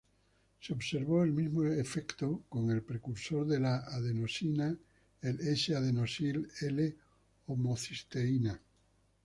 Se observó el mismo efecto con el precursor de la adenosina, el S-Adenosil L-homocisteína.